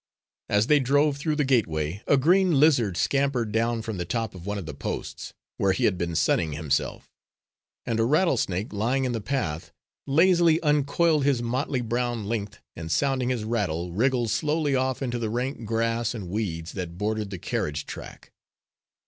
As they drove through the gateway, a green lizard scampered down from the top of one of the posts, where he had been sunning himself, and a rattlesnake lying in the path lazily uncoiled his motley brown length, and sounding his rattle, wriggled slowly off into the rank grass and weeds that bordered the carriage track.